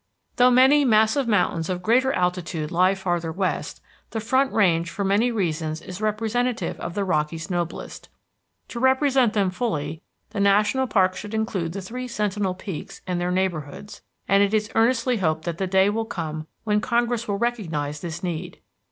Though many massive mountains of greater altitude lie farther west, the Front Range for many reasons is representative of the Rockies' noblest. To represent them fully, the national park should include the three sentinel peaks and their neighborhoods, and it is earnestly hoped that the day will come when Congress will recognize this need.